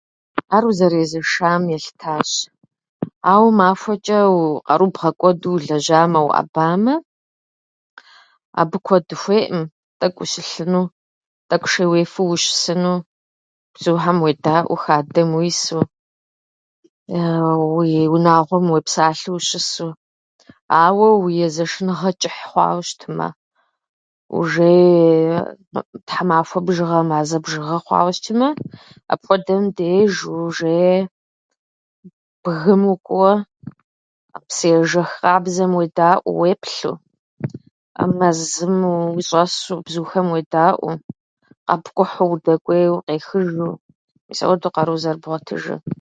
Ар узэрезэшам елъытащ ауэ махуэчӏэ къэру бгъэкӏуэду улэжьамэ, уӏэбамэ, абы куэд ухуеӏым тӏэкӏу ущылъыну, тӏэкӏу шей уефэу ущысыну, бзухьэм уедаӏуу хадэм уису уи унагъуэм уепсалъэу ущысу, ауэ уи езэшыныгъэр чӏыхь хъуауэ щытмэ. ужее тхьэмахуэ бжыгъэ, мазэ бжыгъэ хъуауэ щытымэ апхуэдэм деж уже бгым укӏуэуэ, псы ежэх къабзэм уедаӏуэу, уеплъу. Мэзым ущӏэсу, бзухэм уедаӏуэу, къэпкӏухьу, удэкӏуеуэ, укъехыжу мыс ауэду къару зэрыбгъуэтыжыр.